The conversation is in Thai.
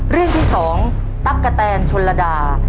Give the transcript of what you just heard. เรื่องที่๒ตั๊กกะแตนชนระดา